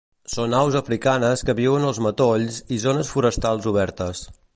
Són aus africanes que viuen als matolls i zones forestals obertes.